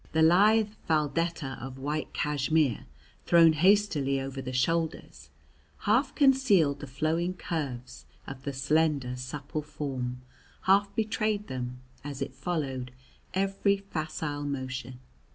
The lithe faldetta of white cashmere, thrown hastily over the shoulders, half concealed the flowing curves of the slender supple form, half betrayed them as it followed every facile motion.